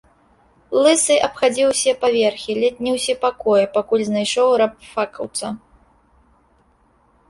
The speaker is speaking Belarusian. Лысы абхадзіў усе паверхі, ледзь не ўсе пакоі, пакуль знайшоў рабфакаўца.